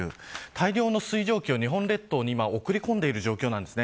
大量の水蒸気を今、日本列島に送り込んでいる状況なんです。